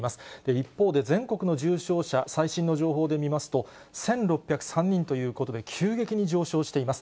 一方で全国の重症者、最新の情報で見ますと、１６０３人ということで、急激に上昇しています。